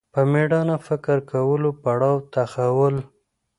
په مېړانه فکر کولو پړاو ته تحول